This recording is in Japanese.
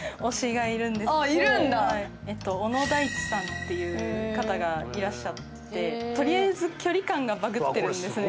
っていう方がいらっしゃってとりあえず距離感がバグってるんですね。